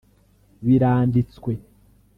biranditswe